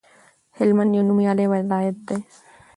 هلمند یو نومیالی ولایت دی